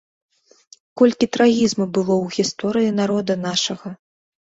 Колькі трагізму было ў гісторыі народа нашага!